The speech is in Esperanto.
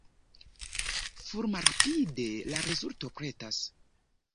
Fulmrapide la rezulto pretas.